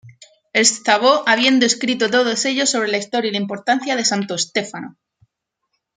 Szabó habiendo escrito todos ellos sobre la historia y la importancia de Santo Stefano.